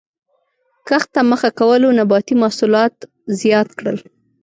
کښت ته مخه کولو نباتي محصولات زیات کړل.